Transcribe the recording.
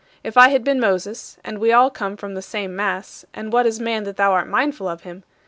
If I had been Moses and we all come from the same mass, and what is man that thou art mindful of him?